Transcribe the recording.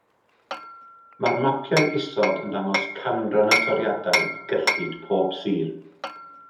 Mae'r mapiau isod yn dangos canran y toriadau i gyllid pob sir